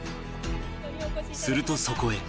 するとそこへ。